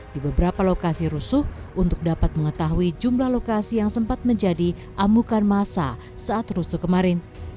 di beberapa lokasi rusuh untuk dapat mengetahui jumlah lokasi yang sempat menjadi amukan masa saat rusuh kemarin